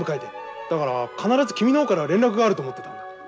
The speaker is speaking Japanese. だから必ず君の方から連絡があると思ってたんだ。